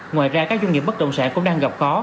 ngoài ra các doanh nghiệp bất động sản cũng đang gặp khó